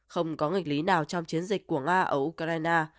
không có nghịch lý nào trong chiến dịch của nga ở ukraine